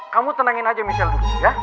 kamu tenangin aja misalnya dulu ya